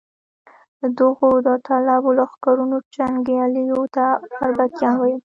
د دغو داوطلبو لښکرونو جنګیالیو ته اربکیان ویل.